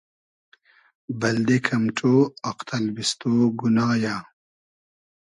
بئلدې کئم ݖۉ آق تئلبیستۉ گونا یۂ